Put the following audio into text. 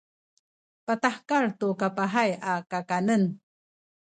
patahekal tu sakapahay a kakanen